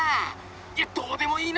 いやどうでもいいな！